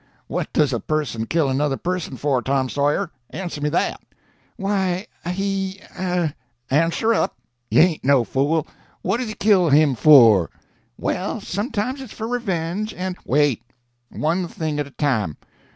What does a person kill another person for, Tom Sawyer?—answer me that." "Why, he—er—" "Answer up! You ain't no fool. What does he kill him for?" "Well, sometimes it's for revenge, and—" "Wait. One thing at a time.